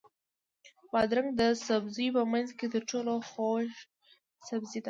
بادرنګ د سبزیو په منځ کې تر ټولو خوږ سبزی ده.